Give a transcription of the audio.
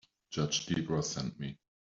Judge Debra sent me.